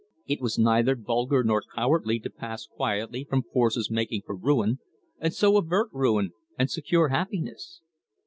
It was neither vulgar nor cowardly to pass quietly from forces making for ruin, and so avert ruin and secure happiness.